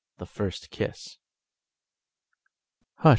The First Kiss. "Hush!"